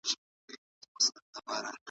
ایا ته غواړې چي ازاده مطالعه وکړې؟